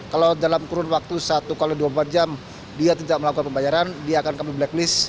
kalau dalam kurun waktu satu x dua puluh empat jam dia tidak melakukan pembayaran dia akan kami blacklist